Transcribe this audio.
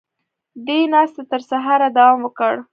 دې ناستې تر سهاره دوام وکړ.